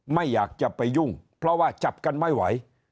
ไม่อยากจะไปยุ่งเพราะว่าจับกันไม่ไหว